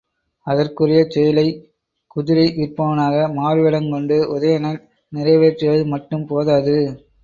அதற்குரிய செயலைச் குதிரை விற்பவனாக மாறுவேடங் கொண்டு உதயணன் நிறைவேற்றியது மட்டும் போதாது.